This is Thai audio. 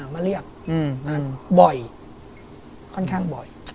มาเรียกบ่อยค่อนข้างบ่อย